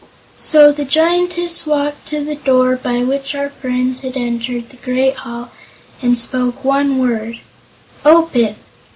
So the Giantess walked to the door by which our friends had entered the great hall and spoke one word: "Open!"